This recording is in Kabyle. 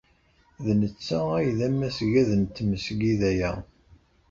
D netta ay d amasgad n tmesgida-a.